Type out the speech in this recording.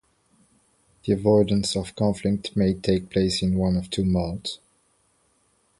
The avoidance of conflict may take place in one of two modes.